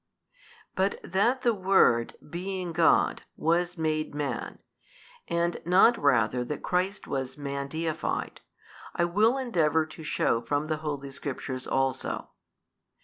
But that the Word, being God, was made Man, and not rather that Christ was Man deified, I will endeavour to shew from the Holy Scriptures also.